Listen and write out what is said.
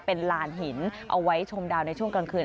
เป็นลานหินเอาไว้ชมดาวในช่วงกลางคืน